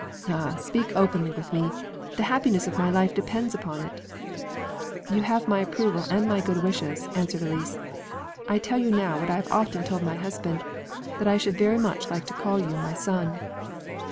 Ah, speak openly with me; the happiness of my life depends upon it!" "You have my approval and my good wishes," answered Elise; "I tell you now what I have often told my husband, that I should very much like to call you my son!"